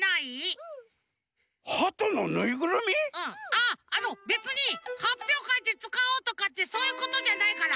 ああのべつにはっぴょうかいでつかおうとかってそういうことじゃないから！